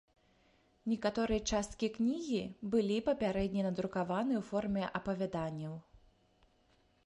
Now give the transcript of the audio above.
Некаторыя часткі кнігі былі папярэдне надрукаваны ў форме апавяданняў.